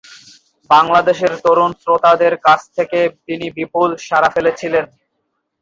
বাংলাদেশের তরুণ শ্রোতাদের কাছ থেকে তিনি বিপুল সাড়া ফেলেছিলেন।